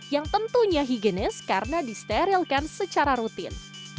yang tentunya higienis karena disterilkan secara rutin